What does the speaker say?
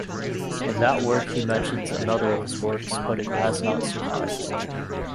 In that work he mentions another of his works, but it has not survived.